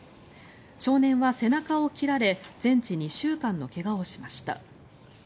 少年は背中を切られ全治２週間の怪我をしました。